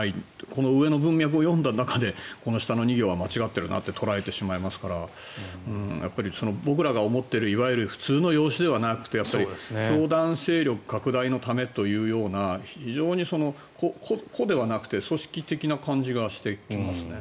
この上の文脈を読んだうえでこの下の２行は間違っているなと捉えてしまいますから僕らが思っているいわゆる普通の養子ではなく教団勢力拡大のためというような非常に、個ではなくて組織的な感じがしてきますね。